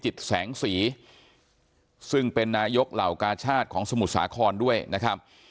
แสงสีซึ่งเป็นนายกเหล่ากาชาติของสมุทรสาครด้วยนะครับ